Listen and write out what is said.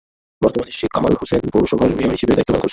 বর্তমানে শেখ কামাল হোসেন পৌরসভার মেয়র হিসেবে দায়িত্ব পালন করছেন।